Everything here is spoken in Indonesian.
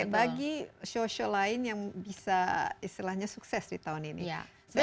bagi show show lain yang bisa istilahnya sukses di tahun ini